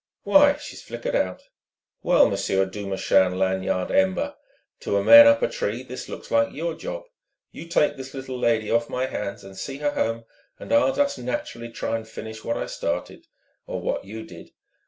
Why, she's flickered out! Well, Monsieur Duchemin Lanyard Ember, to a man up a tree this looks like your job. You take this little lady off my hands and see her home, and I'll just naturally try and finish what I started or what you did.